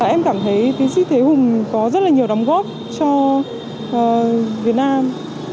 em cảm thấy tiến sĩ thế hùng có rất là nhiều đóng góp cho việt nam